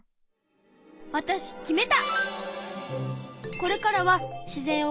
わたし決めた。